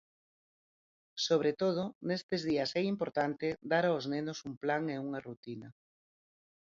Sobre todo, nestes días é importante dar aos nenos un plan e unha rutina.